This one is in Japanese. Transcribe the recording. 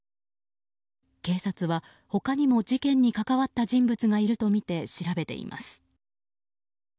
警察は他にも事件に関わった人物がいるとみて調べています。